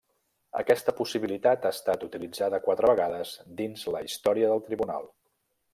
Aquesta possibilitat ha estat utilitzada quatre vegades dins la història del Tribunal.